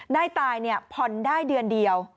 นายตายเนี่ยผ่อนได้เดือนเดียว